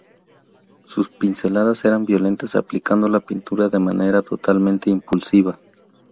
Sus pinceladas eran violentas, aplicando la pintura de manera totalmente impulsiva.